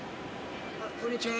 ・こんにちは。